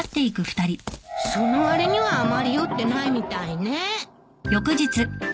そのわりにはあまり酔ってないみたいね。